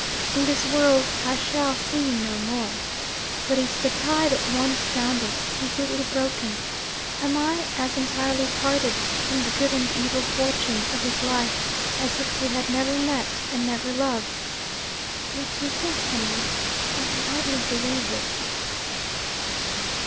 In this world I shall see him no more. But is the tie that once bound us, completely broken? Am I as entirely parted from the good and evil fortune of his life as if we had never met and never loved? What do you think, Henry? I can hardly believe it.'